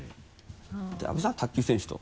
阿部さんは卓球選手と。